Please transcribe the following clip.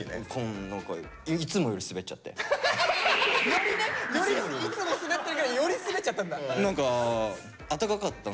よりねよりいつもスベってるけどよりスベっちゃったんだ。